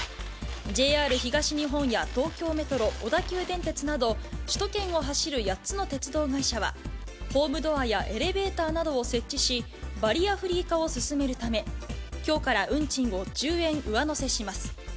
ＪＲ東日本や東京メトロ、小田急電鉄など、首都圏を走る８つの鉄道会社は、ホームドアやエレベーターなどを設置し、バリアフリー化を進めるため、きょうから運賃を１０円上乗せします。